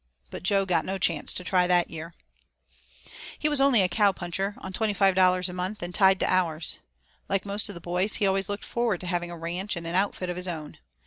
But Jo got no chance to try that year. He was only a cow puncher on $25 a month, and tied to hours. Like most of the boys, he always looked forward to having a ranch and an outfit of his own.